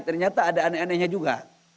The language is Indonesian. ternyata ada aneh anehnya juga